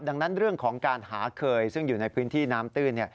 ดังนั้นเรื่องของการหาเคยซึ่งอยู่ในพื้นที่น้ำตื้น